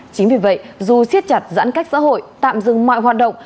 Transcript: chính vì vậy dù siết chặt giãn cách xã hội tạm dừng mọi hoạt động